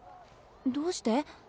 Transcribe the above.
どうして？